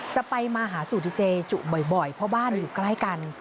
จะไปมาหาสู่ดีเจจุบ่อยเพราะบ้านอยู่ใกล้กัน